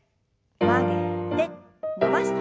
曲げて伸ばして。